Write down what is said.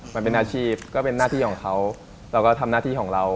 มันเป็นอาชีพก็เป็นหน้าที่ของเขาเราก็ทำหน้าที่ของเรา